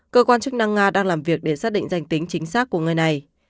cơ quan chức năng nga đang làm việc để xác định danh tính chính xác của người này